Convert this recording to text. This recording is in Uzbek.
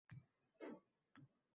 Ularga yaqinlashib kela boshladi.